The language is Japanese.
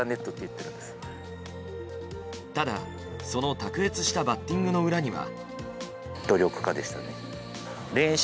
ただ、その卓越したバッティングの裏には。